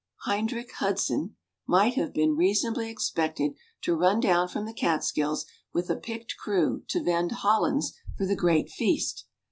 Hendrik Hudson might have been reasonably expected to run down from the Catskills with a picked crew to vend Hollands for the great feast.